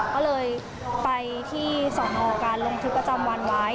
ก็เลยไปที่สอนอการลงทึกประจำวันไว้